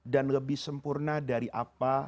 dan lebih sempurna dari apa